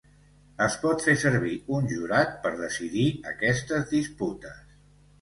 Es pot fer servir un jurat per decidir aquestes disputes.